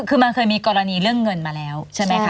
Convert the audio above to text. คือมันเคยมีกรณีเรื่องเงินมาแล้วใช่ไหมคะ